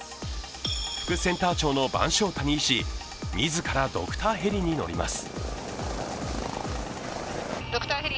副センター長の番匠谷医師自らドクターヘリに乗ります。